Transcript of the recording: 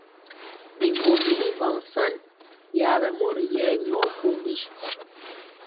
Biŋgombi i vaŋ san, yaɓɛ mori yɛ nyɔ gwombi.